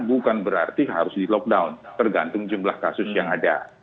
bukan berarti harus di lockdown tergantung jumlah kasus yang ada